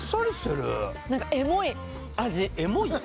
エモい？